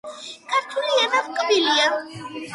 ქართული ენა ტკბილია